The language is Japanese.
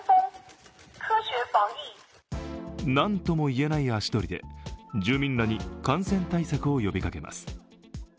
何ともいえない足取りで、住民らに感染対策を呼びかけます。